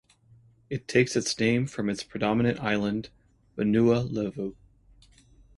It takes its name from its predominant island, Vanua Levu.